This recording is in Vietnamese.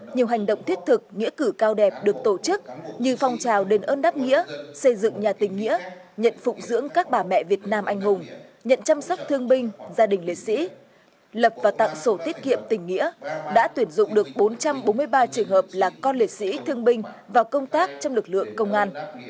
nhiều hành động thiết thực nghĩa cử cao đẹp được tổ chức như phong trào đền ơn đáp nghĩa xây dựng nhà tình nghĩa nhận phụng dưỡng các bà mẹ việt nam anh hùng nhận chăm sóc thương binh gia đình liệt sĩ lập và tặng sổ tiết kiệm tình nghĩa đã tuyển dụng được bốn trăm bốn mươi ba trường hợp là con liệt sĩ thương binh và công tác trong lực lượng công an